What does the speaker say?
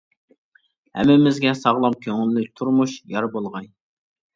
ھەممىمىزگە ساغلام، كۆڭۈللۈك تۇرمۇش يار بولغاي!